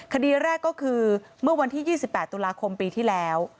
คดีแรกก็คือเมื่อวันที่๒๘ตุลาคมปีที่แล้ว